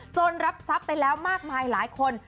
รับทรัพย์ไปแล้วมากมายหลายคน